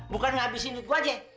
bukan ngabisin duit gue aja